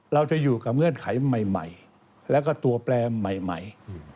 เราจะอยู่กับเงื่อนไขใหม่แล้วก็ตัวแปลใหม่